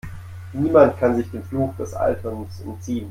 Niemand kann sich dem Fluch des Alterns entziehen.